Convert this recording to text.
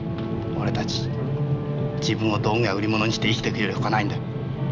俺たち自分を道具や売り物にして生きていくより他ないんだ。